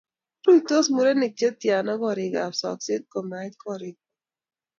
Ruitos murenik chetiana gorikab sokset komait gorikwai?